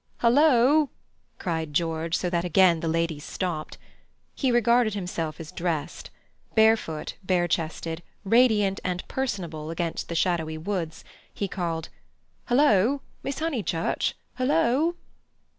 "Hullo!" cried George, so that again the ladies stopped. He regarded himself as dressed. Barefoot, bare chested, radiant and personable against the shadowy woods, he called: "Hullo, Miss Honeychurch! Hullo!"